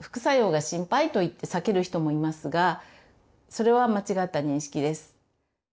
副作用が心配と言って避ける人もいますがそれは間違った認識です。